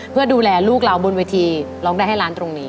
เพื่อดูแลลูกเราบนเวทีร้องได้ให้ร้านตรงนี้